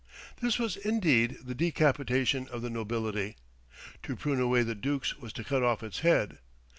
This was, indeed, the decapitation of the nobility. To prune away the dukes was to cut off its head.